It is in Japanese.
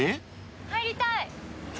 入りたい。